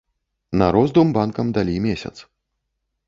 На роздум банкам далі месяц.